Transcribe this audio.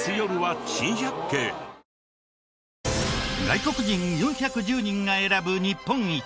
外国人４１０人が選ぶ日本一！